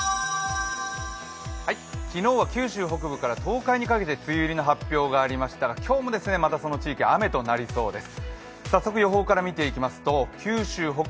昨日は九州北部から東海にかけて梅雨入りの発表がありましたが、今日もまたその地域、雨となりそうです。